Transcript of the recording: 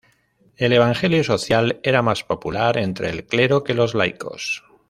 El Evangelio Social era más popular entre el clero que los laicos.